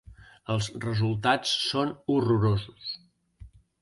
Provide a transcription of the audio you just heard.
Els resultats són horrorosos.